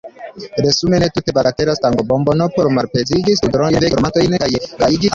Resume: ne tute bagatela stangobombono por malpezigi studrondojn, veki dormantojn kaj gajigi amuzvesperojn.